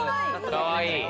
かわいい！